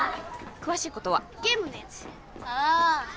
詳しいことはゲームのやつああ